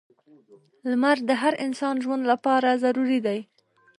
• لمر د هر انسان ژوند لپاره ضروری دی.